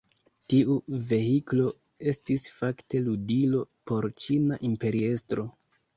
Tiu vehiklo estis fakte ludilo por ĉina imperiestro.